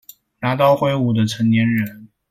拿刀揮舞的成年人